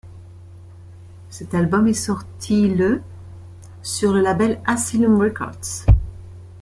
Cet album est sorti le sur le label Asylum Records.